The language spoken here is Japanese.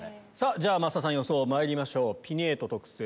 じゃ増田さん予想まいりましょう。